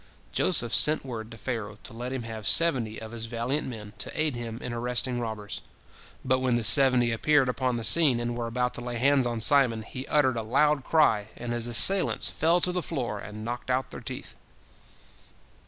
Joseph sent word to Pharaoh to let him have seventy of his valiant men, to aid him in arresting robbers. But when the seventy appeared upon the scene, and were about to lay hands on Simon, he uttered a loud cry, and his assailants fell to the floor and knocked out their teeth.